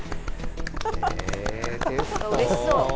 うれしそう。